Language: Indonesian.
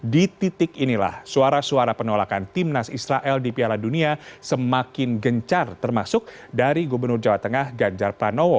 di titik inilah suara suara penolakan timnas israel di piala dunia semakin gencar termasuk dari gubernur jawa tengah ganjar pranowo